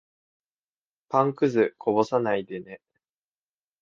パンくず、こぼさないでね。